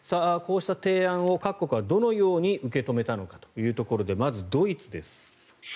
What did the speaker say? こうした提案を各国はどのように受け止めたのかというところでまず、ドイツです。